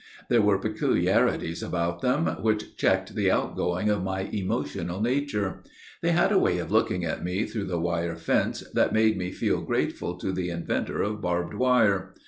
There were peculiarities about them, which checked the outgoing of my emotional nature. They had a way of looking at me through the wire fence, that made me feel grateful to the inventor of barbed wire.